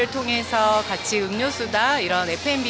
dan juga minuman fnb